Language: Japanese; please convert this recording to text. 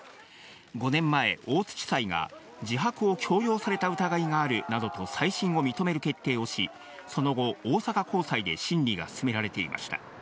５年前、大津地裁が自白を強要された疑いがあるなどと再審を認める決定をし、その後、大阪高裁で審理が進められていました。